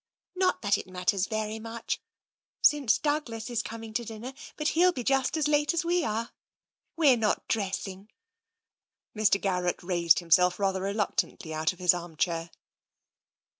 Not that it matters very much, since Douglas is coming to dinner, and he'll be just as late as we are. We're not dressing." Mr. Garrett raised himself rather reluctantly out of his armchair.